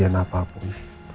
atau kejadian apapun